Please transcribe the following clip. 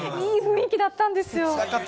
いい雰囲気だったんですよ。